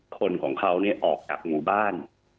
คนของเขาออกจากหมู่บ้าน